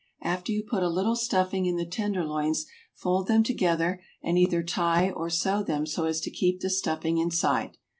After you put a little stuffing in the tenderloins fold them together and either tie or sew them so as to keep the stuffing inside.